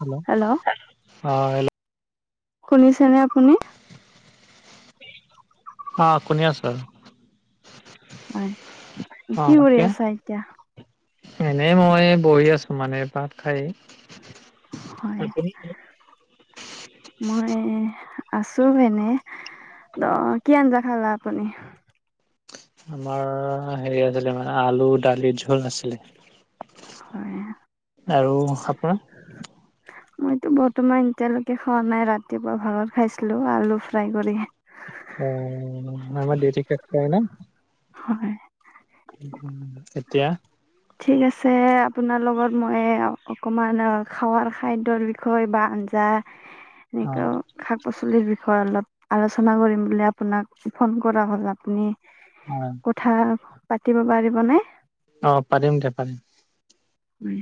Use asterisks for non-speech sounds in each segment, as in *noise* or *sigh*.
Hello! Hello অঁ hello! ' শুনিছানে আপুনি? আ শুনি আছো। হয়ঁ! কি কৰি আছা এতিয়া? এনেই মই বহি আছো মানে ভাত খাই। হয়ঁ! আপুনি মই আছো এনেই। অঁ কি আঞ্জা খালা আপুনি? আমাৰ হেৰি আছিলে মানে আলু দালিৰ জোল নাছিলে। হয়ঁ! আৰু আপোনাৰ? ও হহহচ মইতো বৰ্তমান এতিয়ালৈকে খোৱা নাই, ৰাতিপুৱা ভাগত খাইছিলো, আলু ফ্ৰাই কৰি। ওহহহ অঁ আমাৰ দিওটি টেট কৰে না। হয়ঁ। এতিয়া। ঠিক আছে, আপোনাৰ লগত মই অকণমান, খাৱোৱাৰ খাদ্যৰ বিষয়ে, বা আঞ্জা,,,, অ নিকাও শাক পাচলিৰ বিষয়ে অলপ আলোচনা কৰিম বুলি আপোনাক ফোন কৰা হ'ল আপুনি,,, হয়ঁ। কথা পাতিব পাৰিবনে? অঁ পাৰিম দে, পাৰিম। উমঁ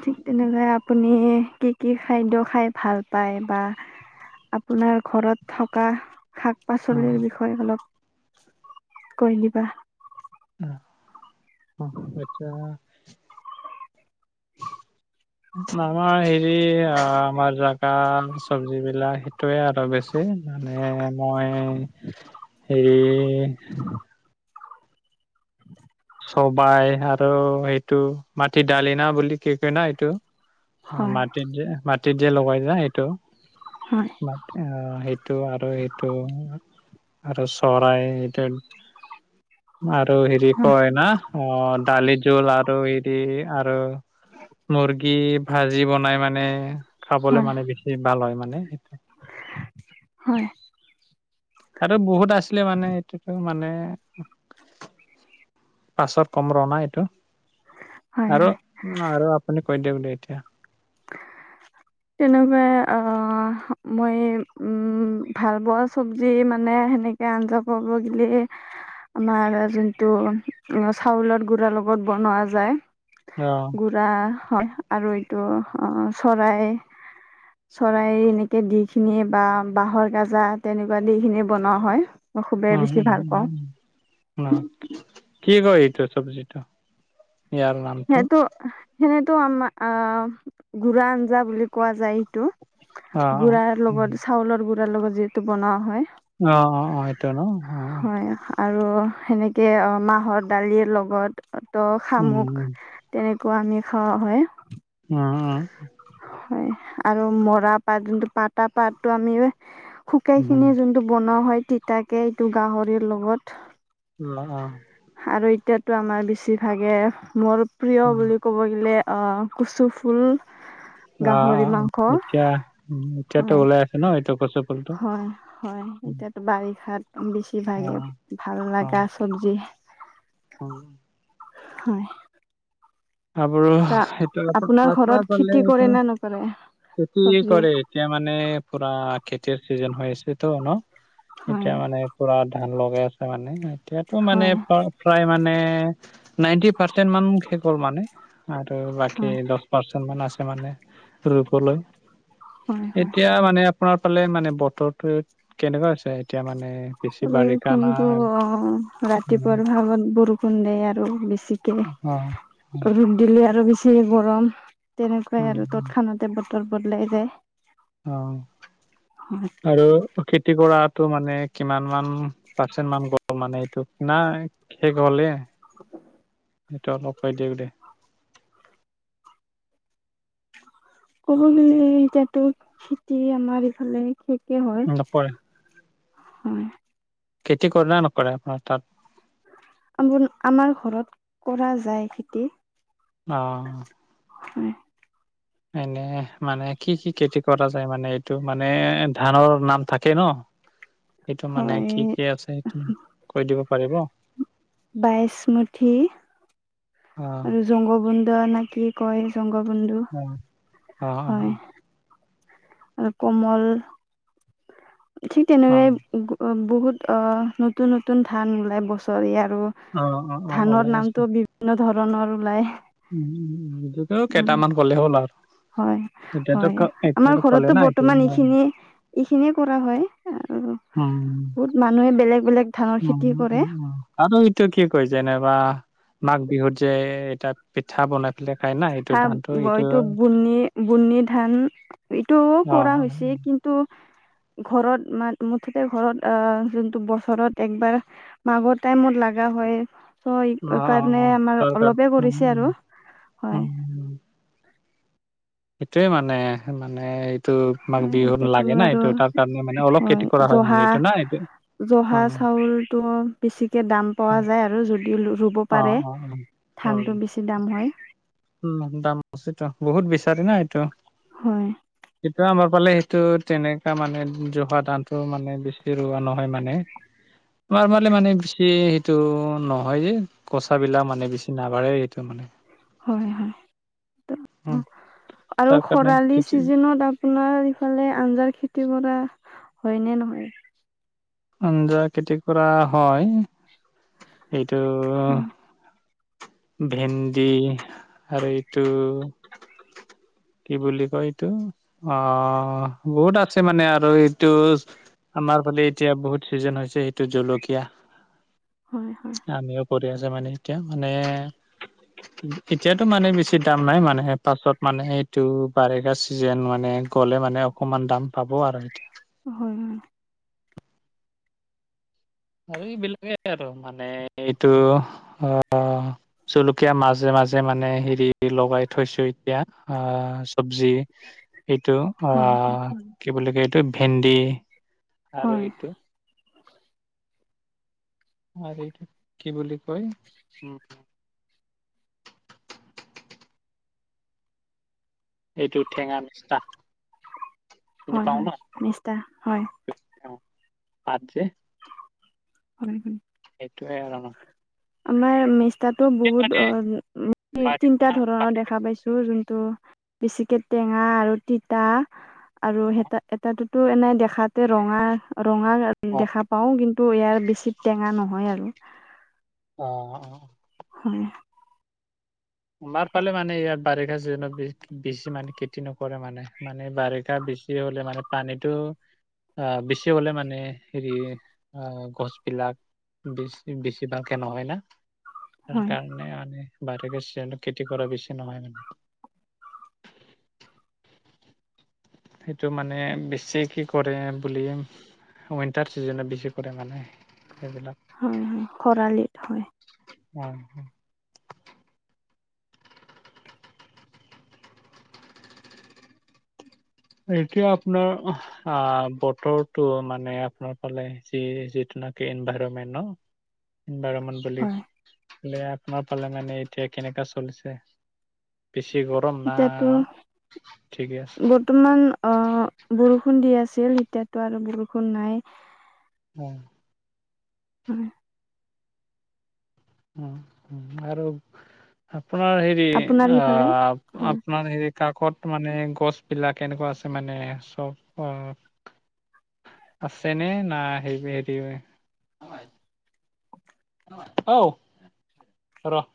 ঠিক তেনেকাই আপ আপুনি কি কি খাদ্য খাই ভাল পায় বা? আপোনাৰ ঘৰত থকা শাক পাচলিৰ বিষয়ে অলপ কৈ দিবা। অ অ আচ্ছা। *unintelligible* আমাৰ হেৰি অ' আমাৰ জাগা চবজি বিলাক টোৱে আৰু বেছি মানে মই হেৰি *inaudible* চবাই আৰু সেইটো, মাটি দালিনা বুলি কি কয় না এইটো। অ', হয় মাটিত যে মাটিত যে লগাই যে সেইটো। হয় *unintelligible* অ', সেইটো আৰু এইটো। আৰু চৰাই, এইটো আৰু হেৰি হয় কয় না', অ', দালি জোল আৰু এৰি আৰু মুৰ্গী ভাজি বনাই মানে খাবলে হয় মানে, বেছি ভাল হয় মানে সেইটো। হয় আৰু বহুত আছিলে মানে, এইটোতো মানে পাছত কম ৰ' না এইটো, হয় হয় আৰু-আৰু আপুনি কৈ দিয়ক দে এতিয়া। *inaudible* তেনেকুৱাই আ' মই ভালপোৱা চব্জি মানে, সেনেক কে আঞ্জা বব গিলে আমাৰ যোনটো, চাউলত গুৰাৰ লগত বনোৱা যায়। অ গুৰা হয়, আৰু এইটো চৰাই ছ চৰাই এনেকে দি খিনি বা বাঁহৰ গাজা তেনেকুৱা দি খিনি বনোৱা হয়। মই খুবেই বেছি ভাল পাওঁ। ন' কি কয় এইটো চব্জিটো, ইয়াৰ নাম? সেইটো, সেনেতো আমাৰ আহ' গুৰা আঞ্জা বুলি কোৱা যায় এইটো। অ অ গুড়াৰ লগত চাউলৰ গুৰাৰ লগত যিহেতু বনোৱা হয়। অ' অ' অ' এটো ন' অ। হয় আৰু সেনেকে মাহৰ দালিৰ লগত ত' উম শামুক তেনেকুৱা আমি খোৱা হয়। উম উ। হয় আৰু মৰা পাত যোনটো পাতা পাতটো আমি শুকাই উম খিনি যোনটো বনোৱা হয় তিতাকে, এইটো গাহৰিৰ লগত অ আৰু এতিয়াতো আমাৰ বেছিভাগে মোৰ প্ৰিয় উম বুলি ক'ব গ'লে, অ' কচু ফুল অ অ গাহৰি অ মাংস এতিয়া উম এতিয়াতো হয়, ওলাই আছে ন এইটো কচু ফুলটো হয় হয় এতিয়া বাৰিষাত বেছি অ ভাগে ভাল অ লাগা চবজি অ হয় তাপোৰ ত সেইটো *unintelligible* আপোনাৰ ঘৰত খেতি কৰে সেইটো নে নকৰে খেতি চব্জিৰ কৰে। এতিয়া মানে পুৰা খেতিৰ চিজন হৈ আছেতো ন হয় এতিয়া মানে পুৰা ধান লগাই আছে মানে এতিয়াতো মানে হয় প্ৰায় মানে নাইনটি পাৰ্চেন্ট মান শেষ হল মানে আৰু বাকী হয় দছ পৰ্চেন্তমান আছে মানে ৰোবলৈ, হয় হয় এতিয়া মানে আপোনাৰ ফালে মানে বতৰটো কেনেকুৱা আছে এতিয়া মানে? বেছি বাৰিষা না বৰষুণটো অ ৰাতিপুৱাৰ ভাগত বৰষুণ দিয়ে আৰু বেছি। অ ৰ'দ দিলে আৰু বেছিহে গৰম তেনেকুৱাই আৰু উম তৎক্ষণা তে বতৰ বদলাই যায়। অ', হয় আৰু খেতি কৰাটো মানে, কিমান মান পাৰ্চেণ্ট মান গ'ল মানে এইটো না শেষ হ'লে? *inaudible* সেইটো অলপ কয় দিয়ক দে। ক'ব গ'লে, এতিয়াতো খেতি আমাৰ ইফালে শেষে হ'ল, নকৰে হয়। খেতি কৰা নকৰা আপোনাৰ তাত? আমাৰ ঘৰত কৰা যায় খেতি। অঁ। হয়। এনে মানে কি কি খেতি কৰা যায় মানে, এইটো মানে ধানৰ নাম থাকে ন? *inaudible* এইটো মানে কি কি আছে সেইটো কৈ দিব পাৰিব? বাইচমুঠি অ' আৰু জংগ বন্দ নে কি কয় জংগ বন্ধু। অ' অ' হ আৰু কোমল ঠিক অ তেনেকুৱাই ত' বহুত নতুন নতুন ধান ওলাই বছৰি আৰু অ অ অ ধানৰ ওলাই নামটো বিভিন্ন ধৰণৰ ওলাই। এইটো উম কেইটামান ক'লে হ'ল আৰু এতিয়াতো এতিয়া কলে এতিয়াতো না এইটোৱে বৰ্তমান অ। এইখিনিয়ে এইখিনিয়ে কৰা হয়। আৰু উম বহুত মানুহে বেলেগ বেলেগ ধানৰ উম খেতি কৰে। উম উম আৰু এইটো কি কয় যেনেবা মাঘ বিহুত যে এতাত হা এইটো বুনি বুনি ধান এইটো অ অ কৰা হৈছে কিন্তু, ঘৰত ম মুঠতে ঘৰত আহ যোনটো বছৰত একবাৰ মাঘৰ টাইমত লগা হয় ত' অ অ সেইকাৰণে অ আমাৰ দৰকাৰ অলপে উম কৰিছে উম আৰু। হয় উম। এইটোয়ে মানে, মানে ত' মাঘ হয় বিহুত এতিয়াতো লাগে না আৰু এইটো তাৰ কাৰণে মানে অলপ খেতি কৰা হয় মানে এইটো না এইটো। অ জহা চাউলটো বেছিকে দাম অ পোৱা যায় আৰু যদি ৰু ব অ পাৰে, অ অ অ ধানটো বেছি দাম হয়। উম দাম বেছি বহুত বিচাৰে না এইটো। হয় সেইটো আমাৰ ফালে সেইটো তেনেকা মানে জহা ধানটো মানে বেছি ৰোৱা নহয় মানে। আমাৰ ফালে মানে বেছি সেইটো নহয় যে। কচাবিলাক মানে বেছি নাবাঢ়েই সেইটো। হয় হয়। উম আৰু তাৰ কাৰণে খৰালি খেতি চিজনত আপোনাৰ ইফালে আঞ্জাৰ খেতি কৰা হয় নে নহয়? আঞ্জাৰ খেতি কৰা হয়, এইটো ভেন্দি আৰু এইটো কি বুলি কয় এইটো, অ' বহুত আছে মানে আৰু এইটো আমাৰ ফালে এতিয়া বহুত ছিজন হৈছে সেইটো জলকীয়া হয় হয় আমিও কৰি আছে মানে এতিয়া মানে এতিয়াতো মানে বেছি দাম নাই মানেহে পাছত মানেহে এইটো বাৰিষা চিজন মানে গ'লে মানে অকমান দাম পাব আৰু। হয় হয় আৰু এইবিলাকেই আৰু মানে এইটো অ জলকীয়া মাজে - মাজে মানে হেৰি লগাই থৈছো এতিয়া অ চব্জি এইটো অ' হয় হয় কি বুলি কয় এইটো ভেন্দি আৰু হয় এইটো। আৰু এইটো কি বুলি কয়? এইটো ঠেঙা মিছা। চিনি হয় পাও হয়, ন নিষ্ঠা হয়। অ' পাত যে। হয় হয় সেইটোৱে অ'। আমাৰ মেষ্টাটোক বহুত মানে *unintelligible* বাৰিষা তিনটা ধৰণৰ বাৰিষা দেখা পাইছো যোন তো, বেছিকৈ টেঙা আৰু তিতা আৰু অ এটা এটাতো এনেই দেখাতে ৰঙা ৰঙা অ দেখা পাওঁ, কিন্তু ইয়াৰ বেছি টেঙা নহয় আৰু অঁ অঁ। হয়। *unintelligible* পালে মানে ইয়াত বাৰিষা চিজনত *unintelligible* বেছি মানে খেতি নকৰে মানে মানে বাৰিষা বেছি বেছি হলে মানে পানীটো আহ বেচি হলে মানে হেৰি আহ গছ বিলাক বেছি বেছিভাগকে নহয় না হয় তাৰকাৰণে *unintelligible* *unintelligible* তেন্তে খেতি কৰা বেছি নহয় মানে *inaudible* সেইটো মানে বেছিকে কৰে বুলি উইণ্টাৰ চিজনত বেছি কৰে মানে সেইবিলাক হয় হয়, খৰালিট হয় হয়। এতিয়া আপোনাৰ অহ। অ' বতৰটো মানে আপোনাৰ ফালে যি যিটো নাকি এনভাইৰনমেন্ট ন? বুলি হয় *unintelligible* আপোনাৰ ফালে মানে এতিয়া কেনেকা চলিছে? বেছি গৰম না এতিয়াতো ঠিকে আছে? বৰ্তমান অ' বৰষুণ দি আছিল এতিয়াতো আৰু বৰষুণ নাই উম উম। আৰু আপোনাৰ হেৰি আপোনাৰ সিফালে অ' হয় আপোনাৰ হেৰি কাকত মানে গছ বিলাক এনেকুৱা আছে মানে চব আহ আছে নে না *unintelligible* ঔ ৰ